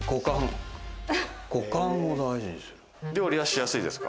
料理はしやすいですか？